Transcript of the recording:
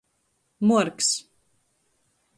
Muorks.